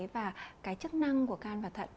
và cái chức năng của can và thận